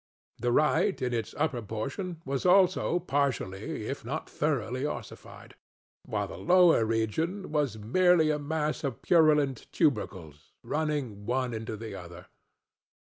The right, in its upper portion, was also partially, if not thoroughly, ossified, while the lower region was merely a mass of purulent tubercles, running one into another.